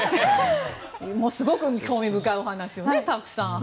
すごく興味深いお話をたくさん。